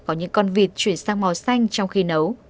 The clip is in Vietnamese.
có những con vịt chuyển sang màu xanh trong khi nấu